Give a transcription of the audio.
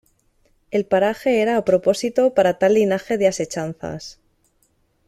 el paraje era a propósito para tal linaje de asechanzas: